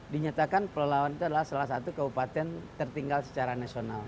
bahkan dua ribu enam dinyatakan palelawan itu adalah salah satu kabupaten tertinggal secara nasional